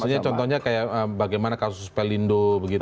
maksudnya contohnya kayak bagaimana kasus pelindo begitu ya